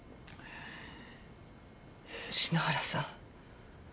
篠原さん